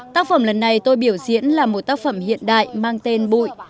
tác phẩm lần này tôi biểu diễn là một tác phẩm hiện đại mang tên bụi